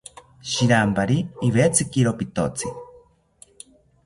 Shiranpari iwetzikiro pitotzi